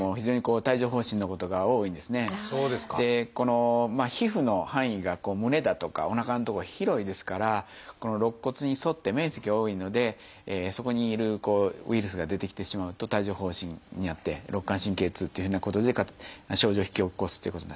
この皮膚の範囲が胸だとかおなかのとこは広いですから肋骨に沿って面積が多いのでそこにいるウイルスが出てきてしまうと帯状疱疹になって肋間神経痛っていうふうなことで症状を引き起こすっていうことになってきますね。